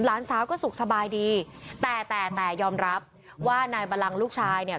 หลานสาวก็สุขสบายดีแต่แต่แต่ยอมรับว่านายบัลลังลูกชายเนี่ย